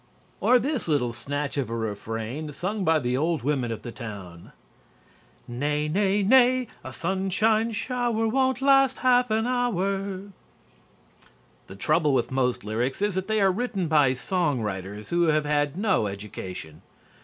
Or this little snatch of a refrain sung by the old women of the town: Nay, nay, nay! A sunshine shower Won't last a half an hour. The trouble with most lyrics is that they are written by song writers who have had no education.